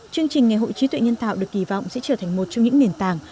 chương trình ngày hội trí tuệ nhân tạo được kỳ vọng sẽ trở thành một trong những nền tảng